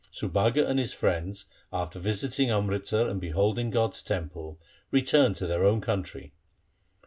Subhaga and his friends after visiting Amritsar and beholding God's temple returned to their own country.